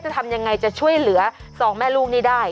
ทำยังไงจะช่วยเหลือสองแม่ลูกนี้ได้